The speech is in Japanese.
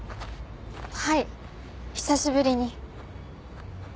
はい久しぶりに。